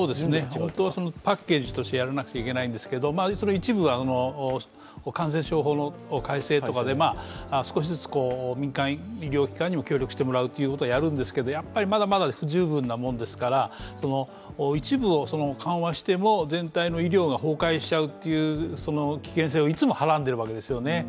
本当はパッケージとしてやらなければいけないんですがその一部は感染症法の改正とかで、少しずつ民間医療機関にも協力してもらうということをやるんですけれども、やはりまだまだ不十分なものですから、一部を緩和しても、全体の医療が崩壊しちゃうという危険性をいつもはらんでいるわけですね。